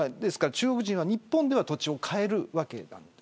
中国人は日本では土地を買えるわけなんです。